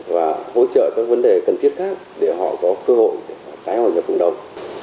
và hỗ trợ các vấn đề cần thiết khác để họ có cơ hội tái hòa nhập cộng đồng